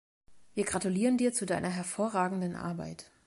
Wir gratulieren dir zu deiner hervorragenden Arbeit.